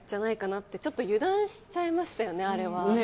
って、ちょっと油断しちゃいましたよね、あれは。